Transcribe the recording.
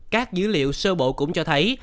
các dữ liệu sơ bộ cũng cho thấy